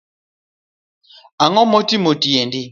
Angomotimo tiendi?